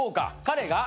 彼が？